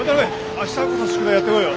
明日こそ宿題やってこいよ。